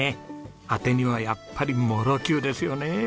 アテにはやっぱりもろきゅうですよね。